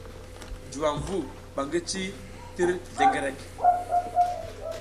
Juwam vu ɓa ngi ci tir mizliŋgreŋ.